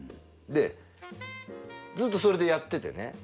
でずっとそれでやっててね。